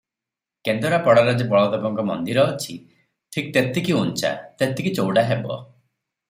କେନ୍ଦରାପଡ଼ାରେ ଯେ ବଳଦେବଙ୍କ ମନ୍ଦିର ଅଛି, ଠିକ୍ ତେତିକି ଉଞ୍ଚା, ତେତିକି ଚଉଡ଼ା ହେବ ।